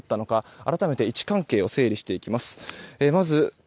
改めて位置関係を整理していきます。